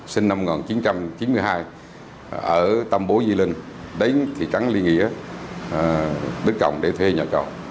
sinh năm một nghìn chín trăm chín mươi hai ở tâm bố di linh đến thị trắng liên nghĩa